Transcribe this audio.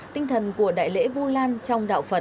tinh thần của đại lễ vu lan trong đạo phật